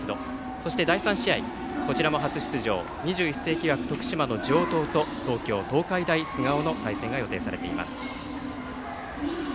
そして、第３試合こちらも初出場、２１世紀枠徳島の城東と東京・東海大菅生の対戦が予定されています。